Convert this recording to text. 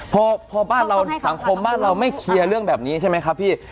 พอบ้านเราสังคมบ้านเราไม่เคลียร์เรื่องแบบนี้ใช่ไหมครับพี่